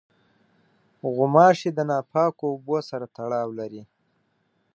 غوماشې د ناپاکو اوبو سره تړاو لري.